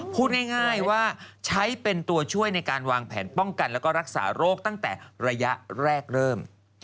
พูดง่ายว่าใช้เป็นตัวช่วยในการวางแผนป้องกันแล้วก็รักษาโรคตั้งแต่ระยะแรกเริ่ม